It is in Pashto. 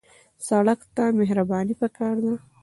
سړک ته مهرباني پکار ده.